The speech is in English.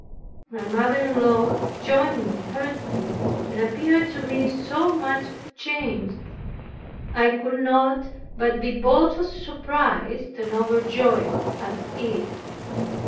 My mother in law joined me heartily and appeared to me so much changed. I could not but be both surprised and overjoyed at it.